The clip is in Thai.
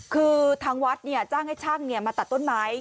คือทางวัดจ้างให้ช่างมาตัดต้นไม้